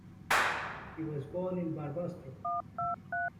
He was born in Barbastro.